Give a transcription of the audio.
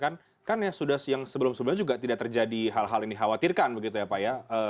kalau diperbatakan kan ya sudah yang sebelum sebelumnya juga tidak terjadi hal hal yang dikhawatirkan begitu ya pak ya